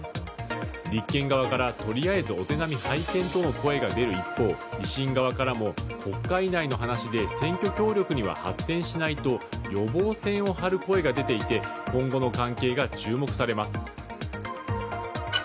立憲側からとりあえずお手並み拝見との声が出る一方維新側からも国会内の話で選挙協力には発展しないと予防線を張る声が出ていて今後の関係が注目されます。